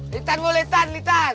litan litan litan